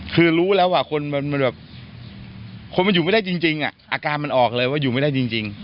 คือรู้แล้วว่าคนมันแบบคนมันอยู่ไม่ได้จริงอาการมันออกเลยว่าอยู่ไม่ได้จริง